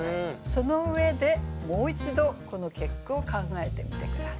その上でもう一度この結句を考えてみて下さい。